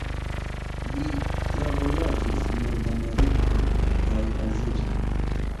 Li travojaĝis Nord-Amerikon kaj Azion.